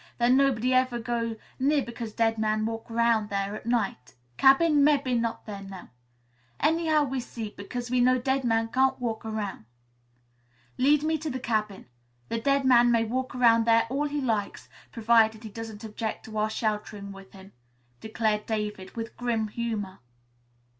Then nobody ever go near because dead man walk aroun' there at night. Cabin mebbe not there now. Anyhow we see, because we know dead man can't walk aroun'." "Lead me to the cabin. The dead man may walk around there all he likes, provided he doesn't object to our sheltering with him," declared David with grim humor.